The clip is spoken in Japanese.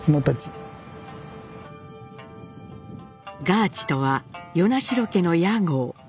ガーチとは与那城家の屋号。